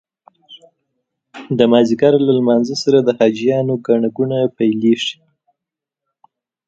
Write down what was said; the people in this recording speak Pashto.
د مازدیګر له لمانځه سره د حاجیانو ګڼه ګوڼه پیلېږي.